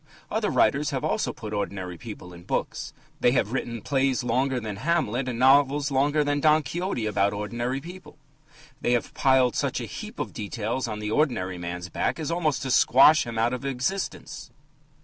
Other writers have also put ordinary people into books. They have written plays longer than Hamlet, and novels longer than Don Quixote, about ordinary people. They have piled such a heap of details on the ordinary man's back as almost to squash him out of existence.